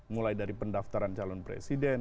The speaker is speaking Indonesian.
mulai dari pendaftaran calon presiden